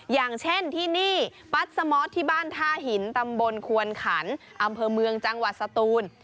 อย่างเช่นที่นี่ปัสสมอทที่บ้านท่าหินตำบลควนขันอำเภอเมืองจังหวัดสตูน